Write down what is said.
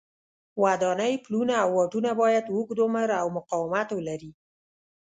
ودانۍ، پلونه او واټونه باید اوږد عمر او مقاومت ولري.